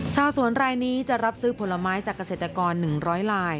ชาวสวนรายนี้จะรับซื้อผลไม้จากเกษตรกร๑๐๐ลาย